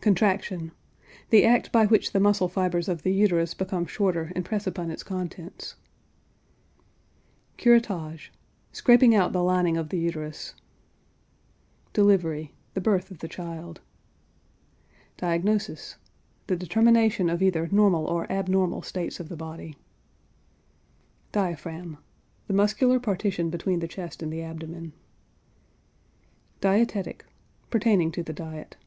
CONTRACTION. The act by which the muscle fibers of the uterus become shorter and press upon its contents. CURETTAGE. Scraping out the lining of the uterus. DELIVERY. The birth of the child. DIAGNOSIS. The determination of either normal or abnormal states of the body. DIAPHRAGM. The muscular partition between the chest and the abdomen. DIETETIC. Pertaining to the diet.